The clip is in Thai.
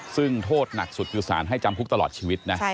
ซึ่งโทษหนักสุดคือสารให้จำคุกตลอดชีวิตนะ